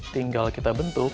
tinggal kita bentuk